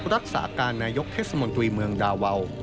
รักษาการนายกเทศมนตรีเมืองดาวาว